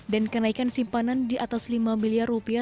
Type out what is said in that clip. dan kenaikan simpanan di atas lima miliar rupiah